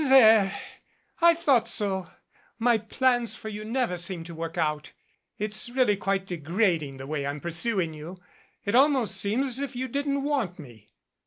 "There. I thought so. My plans for you never seem to work out. It's really quite degrading the way I'm pur suing you. It almost seems as if you didn't want me."